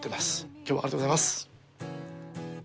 今日はありがとうございます・